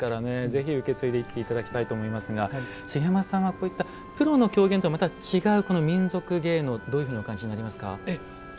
ぜひ受け継いでいってほしいと思いますが茂山さんはこういったプロの狂言とはまた違う民俗芸能どういうふうにお感じになりますか？